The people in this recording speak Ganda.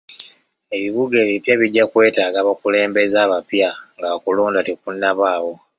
Ebibuga ebipya bijja kwetaaga abakulembeze abapya nga okulonda tekunnabaawo .